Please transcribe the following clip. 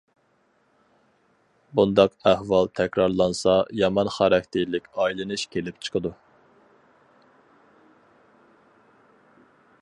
بۇنداق ئەھۋال تەكرارلانسا يامان خاراكتېرلىك ئايلىنىش كېلىپ چىقىدۇ.